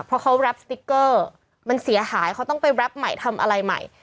เพราะเขาแรปสติ๊กเกอร์มันเสียหายเขาต้องไปแรปใหม่ทำอะไรใหม่